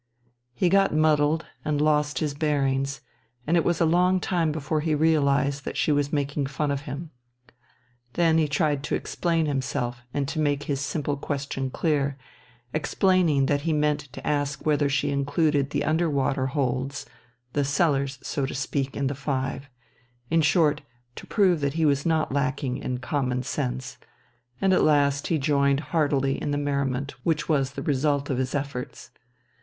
He got muddled and lost his bearings and it was a long time before he realized that she was making fun of him. Then he tried to explain himself and to make his simple question clear, explaining that he meant to ask whether she included the under water holds, the cellars so to speak, in the five in short, to prove that he was not lacking in common sense, and at last he joined heartily in the merriment which was the result of his efforts.